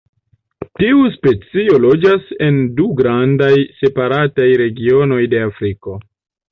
Tiu specio loĝas en du grandaj separataj regionoj de Afriko.